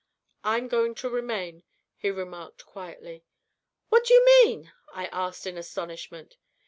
"I'm going to remain!" he remarked, quietly. "What do you mean?" I asked, in astonishment.